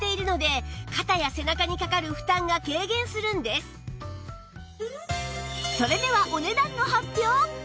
つまりはそれではお値段の発表！